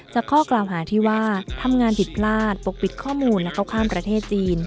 ข้อกล่าวหาที่ว่าทำงานผิดพลาดปกปิดข้อมูลและเข้าข้ามประเทศจีน